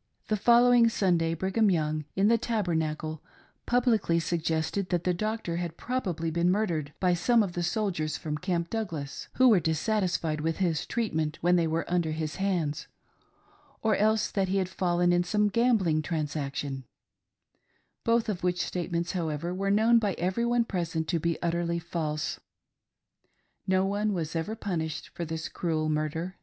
* The following Sunday, Brigham Young, in the Tabernacle, publicly suggested that the doctor had probably been mur dered by some of the, soldiers from Camp Douglas, who were dissatisfied with his treatment when they were under his hands, or else that he had fallen in some gambling transaction — both of which statements, however, were known by every one pres ent to be utterly false. No one was ever punished for this cruel murder.